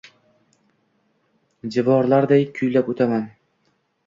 jirovlarday kuylab oʼtaman.